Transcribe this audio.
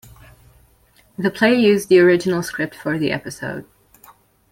The play used the original script for the episode.